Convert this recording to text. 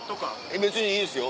別にいいですよ